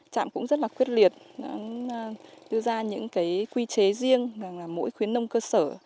chạm cũng rất là quyết liệt đưa ra những quy chế riêng là mỗi khuyến nông cơ sở